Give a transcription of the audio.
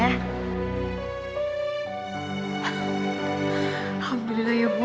alhamdulillah ya bu